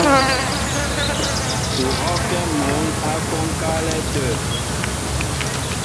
U hɔ́kɛ́ mǔn ǎ kwónkálɛ́ tə̂.